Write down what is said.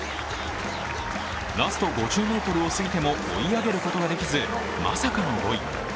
ラスト５０ｍを過ぎても追い上げることができず、まさかの５位。